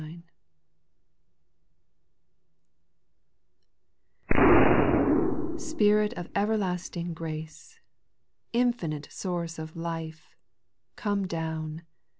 QPIRIT of everlasting grace, O Infinite source of life, come down